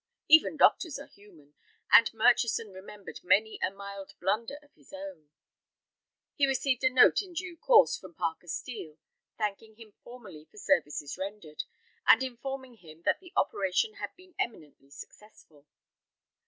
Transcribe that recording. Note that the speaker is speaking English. Even doctors are human, and Murchison remembered many a mild blunder of his own. He received a note in due course from Parker Steel, thanking him formally for services rendered, and informing him that the operation had been eminently successful.